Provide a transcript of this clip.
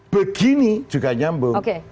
begini juga nyambung